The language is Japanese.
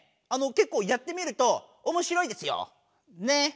けっこうやってみるとおもしろいですよ。ね！